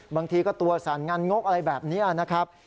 บางทีก็ตัวสั่นงานงกอะไรแบบนี้นะครับ